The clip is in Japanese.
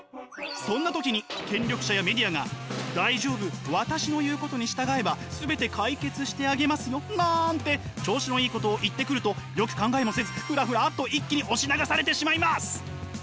そんな時に権力者やメディアが「大丈夫私の言うことに従えば全て解決してあげますよ」なんて調子のいいことを言ってくるとよく考えもせずふらふらっと一気に押し流されてしまいます！